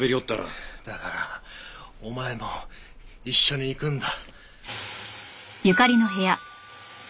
だからお前も一緒に行くんだ。